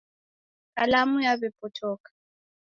Kalamu yaw'epotoka.